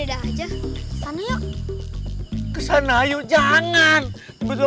aja sana yuk kesana yuk